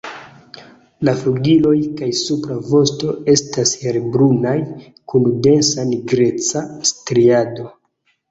La flugiloj kaj supra vosto estas helbrunaj kun densa nigreca striado.